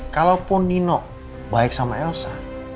kalaupun nino baik sama elsa